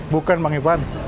bukan bang ipan